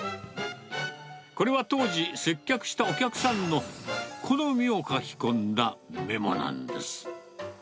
これは当時、接客したお客さんの好みを書き込んだメモなんです。